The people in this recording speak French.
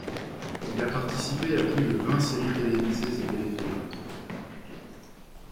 Il a participé à plus de vingt séries télévisées et téléfilms.